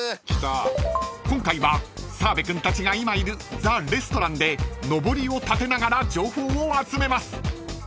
［今回は澤部君たちが今いるＴＨＥＲＥＳＴＡＵＲＡＮＴでのぼりを立てながら情報を集めます］